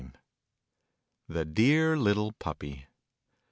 THE DEAR LITTLE PUPPY.